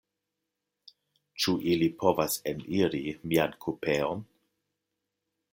Ĉu ili povas eniri mian kupeon?